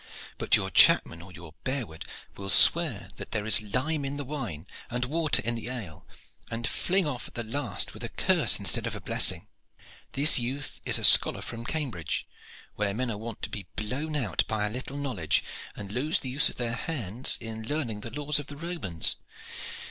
But your chapman or your bearward will swear that there is a lime in the wine, and water in the ale, and fling off at the last with a curse instead of a blessing. This youth is a scholar from Cambrig, where men are wont to be blown out by a little knowledge, and lose the use of their hands in learning the laws of the Romans.